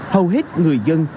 hầu hết người dân